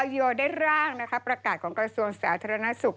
โยได้ร่างประกาศของกระทรวงสาธารณสุข